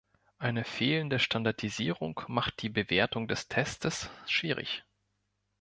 Eine fehlende Standardisierung macht die Bewertung des Testes schwierig.